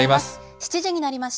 ７時になりました。